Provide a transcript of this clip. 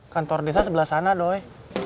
kantor desa sebelah sana doy